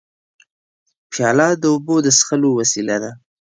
پیاله د اوبو د څښلو وسیله ده.